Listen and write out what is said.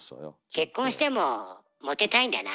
結婚してもモテたいんだな。